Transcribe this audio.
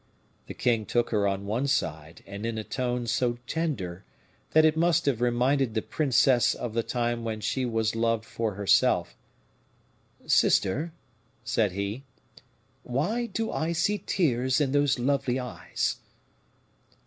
The king took her on one side, and in a tone so tender that it must have reminded the princess of the time when she was loved for herself: "Sister," said he, "why do I see tears in those lovely eyes?"